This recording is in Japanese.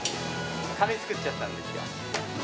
カレー作っちゃったんですよ。